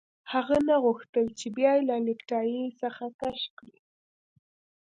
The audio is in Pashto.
هغه نه غوښتل چې بیا یې له نیکټايي څخه کش کړي